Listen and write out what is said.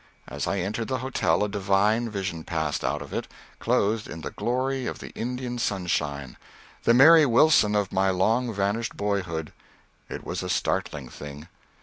As I entered the hotel a divine vision passed out of it, clothed in the glory of the Indian sunshine the Mary Wilson of my long vanished boyhood! It was a startling thing.